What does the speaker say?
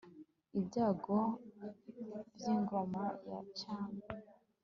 ibyago byingoma ya cyami